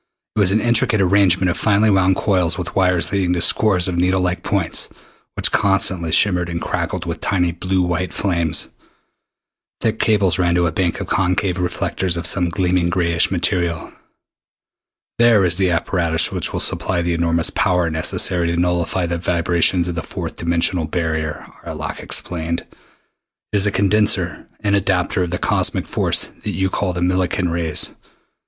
It was an intricate arrangement of finely wound coils with wires leading to scores of needle like points which constantly shimmered and crackled with tiny blue white flames. Thick cables ran to a bank of concave reflectors of some gleaming grayish metal. "There is the apparatus which will supply the enormous power necessary to nullify the vibrations of the fourth dimensional barrier," Arlok explained. "It is a condenser and adapter of the cosmic force that you call the Millikan rays.